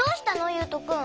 ゆうとくん。